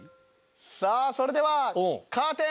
さあそれではカーテンオープン！